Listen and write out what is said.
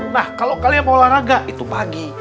nah kalau kalian mau olahraga itu pagi